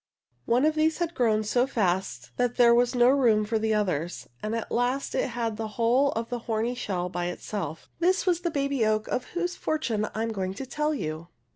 One of these had grown so fast that there was no room for the others, and at last it had the whole of the horny shell by itself. This was the baby oak of whose fortune I am going to tell you.